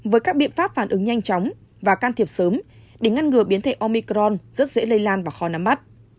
với các biện pháp phản ứng nhanh chóng và can thiệp sớm để ngăn ngừa biến thể omicron rất dễ lây lan và khó nắm mắt